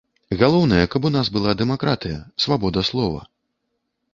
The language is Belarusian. Галоўнае, каб у нас была дэмакратыя, свабода слова.